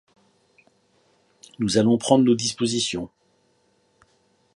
Nous allons prendre nos dispositions.